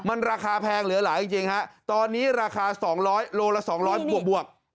มันราคาแพงเหลือหลายจริงจริงฮะตอนนี้ราคาสองร้อยโลละสองร้อยบวกบวก